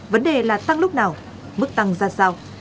vấn đề là tăng lúc nào mức tăng ra sao